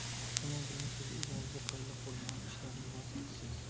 شۇنىڭ بىلەن، سىز ئۆزىڭىزگە پايدىلىق بولمىغان ئىشلاردىن ۋاز كېچىسىز.